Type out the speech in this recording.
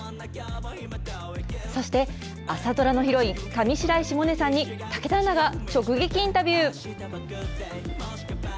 そして、朝ドラのヒロイン、上白石萌音さんに、武田アナが直撃インタビュー。